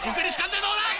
どうだ？